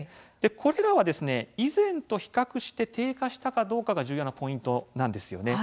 これらは以前と比較して低下したかどうかが重要なポイントなんですよね。